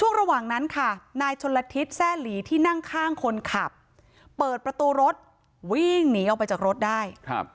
ช่วงระหว่างนั้นค่ะนายชนละทิศแซ่หลีที่นั่งข้างคนขับเปิดประตูรถวิ่งหนีออกไปจากรถได้